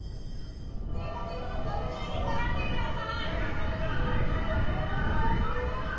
危ないので下がってください。